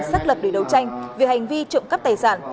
xác lập để đấu tranh về hành vi trộm cắp tài sản